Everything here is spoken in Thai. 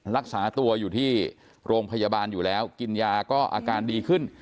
รักษาตัวอยู่ที่โรงพยาบาลอยู่แล้วกินยาก็อาการดีขึ้น